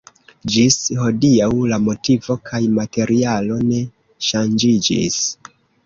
Ĝis hodiaŭ la motivo kaj materialo ne ŝanĝiĝis.